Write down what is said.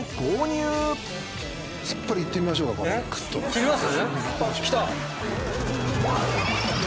切ります